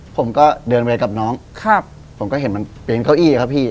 ผมก็เดินไปกับน้องครับผมก็เห็นมันเป็นเก้าอี้ครับพี่